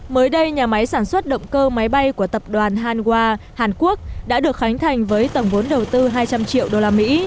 mới đây nhà máy sản xuất động cơ máy bay của tập đoàn hanwha hàn quốc đã được khánh thành với tổng vốn đầu tư hai trăm linh triệu usd